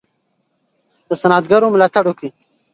د صنعتګرو ملاتړ وکړئ.